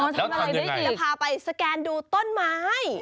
อ๋อทำอะไรได้จริงแล้วพาไปสแกนดูต้นไม้